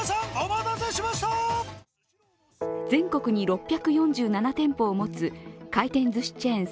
全国に６４７店舗を持つ回転ずしチェーン